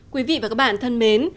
quý vị và các bạn thân mến